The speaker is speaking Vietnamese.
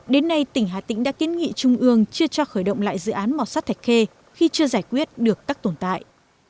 đến nay tỉnh hà tĩnh đã kiến nghị trung ương chưa cho khởi động lại dự án mỏ sắt thạch khê khi chưa giải quyết được các tồn tại